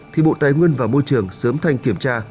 thì bộ tài nguyên và môi trường sớm thanh kiểm tra